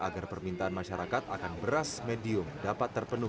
agar permintaan masyarakat akan beras medium dapat terpenuhi